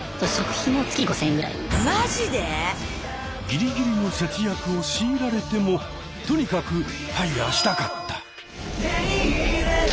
ギリギリの節約を強いられてもとにかくＦＩＲＥしたかった！